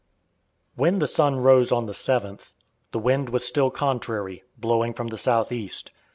When the sun rose on the 7th, the wind was still contrary, blowing from the south east.